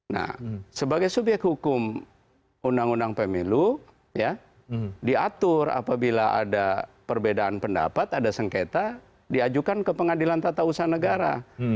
nah sebagai subyek hukum undang undang pemilu diatur apabila ada perbedaan pendapat ada sengketa diajukan ke pengadilan tata usaha negara